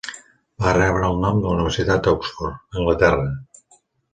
Va rebre el nom de la Universitat d'Oxford, a Anglaterra.